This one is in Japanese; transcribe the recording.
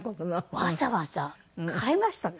わざわざ買いました。